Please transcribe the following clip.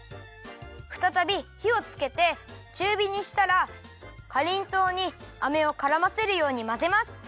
ふたたびひをつけてちゅうびにしたらかりんとうにあめをからませるようにまぜます。